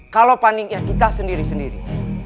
kalau pandingnya kita sendiri sendiri